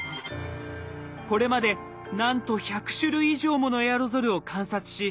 これまでなんと１００種類以上ものエアロゾルを観察し性質を調べてきました。